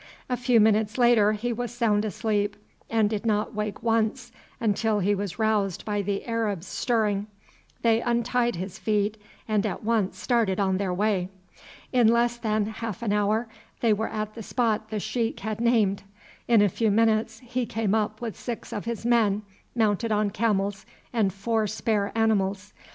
A few minutes later he was sound asleep, and did not wake once until he was roused by the Arabs stirring; they untied his feet, and at once started on their way. In less than half an hour they were at the spot the sheik had named; in a few minutes he came up with six of his men mounted on camels and four spare animals.